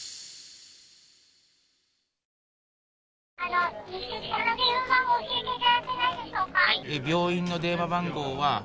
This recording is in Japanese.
日赤の電話番号を教えていただけないでしょうか。